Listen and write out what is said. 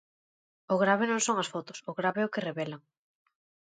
"O grave non son as fotos, o grave é o que revelan".